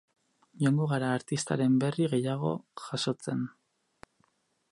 Joango gara artistaren berri gehiago jasotzen.